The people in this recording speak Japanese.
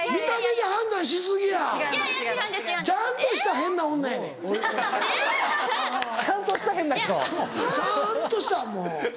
そうちゃんとしたもう。